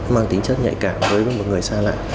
mang tính chất nhạy cảm với một người xa lạ